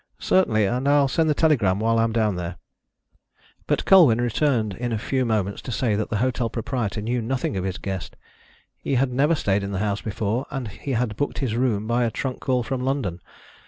"Certainly. And I'll send the telegram while I am down there." But Colwyn returned in a few moments to say that the hotel proprietor knew nothing of his guest. He had never stayed in the house before, and he had booked his room by a trunk call from London.